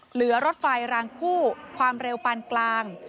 รถไฟรางคู่ความเร็วปานกลาง